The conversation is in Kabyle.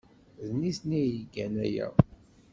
D nitni ay igan aya.